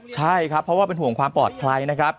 ใช่ครับเพราะว่าเป็นห่วงความปลอดภัยนะครับ